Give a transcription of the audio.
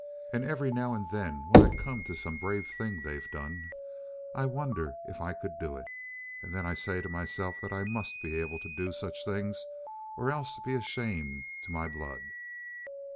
And every now and then when I come to some brave thing they've done, I wonder if I could do it. And then I say to myself that I must be able to do just such things or else be a shame to my blood.